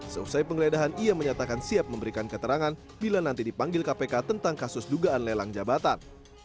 selesai penggeledahan ia menyatakan siap memberikan keterangan bila nanti dipanggil kpk tentang kasus dugaan lelang jabatan